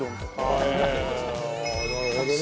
「へえなるほどね」